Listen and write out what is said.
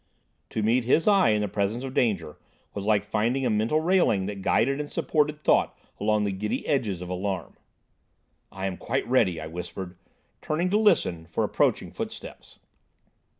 To meet his eye in the presence of danger was like finding a mental railing that guided and supported thought along the giddy edges of alarm. "I am quite ready," I whispered, turning to listen for approaching footsteps.